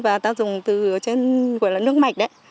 và ta dùng từ nước mạch